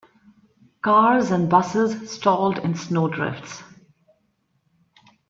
Cars and busses stalled in snow drifts.